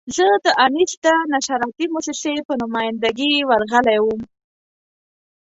زه د انیس د نشراتي مؤسسې په نماینده ګي ورغلی وم.